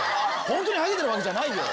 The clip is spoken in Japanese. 本当にハゲてるわけじゃないよ！